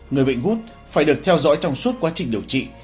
người bệnh gút phải được theo dõi trong suốt quá trình điều trị